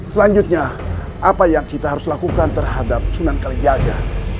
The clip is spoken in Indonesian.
selanjutnya apa yang kita harus lakukan terhadap sunan kalijaga